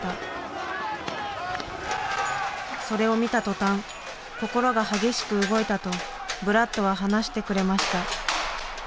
それを見た途端心が激しく動いたとブラッドは話してくれました。